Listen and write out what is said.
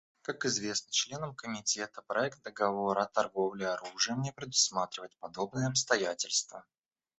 Как известно членам Комитета, проект договора о торговле оружием не предусматривает подобные обстоятельства.